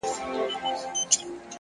• ورځ تیاره سوه توري وریځي سوې څرګندي,